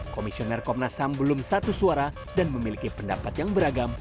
komisioner komnas ham belum satu suara dan memiliki pendapat yang beragam